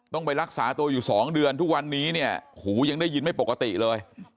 ต้องไปรักษาตัวอยู่๒เดือนทุกวันนี้เนี่ยหูยังได้ยินไม่ปกติเลย